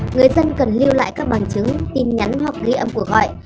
người dân cần lưu lại các bằng chứng tin nhắn hoặc ghi âm cuộc gọi